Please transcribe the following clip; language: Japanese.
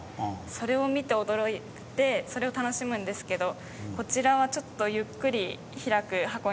それを見て驚いてそれを楽しむんですけどこちらはちょっとゆっくり開く箱になっております。